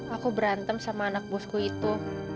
aku berantem sama anak busku itu